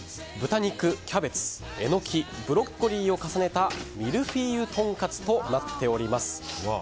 豚肉、キャベツ、エノキブロッコリーを重ねたミルフィーユとんかつとなっています。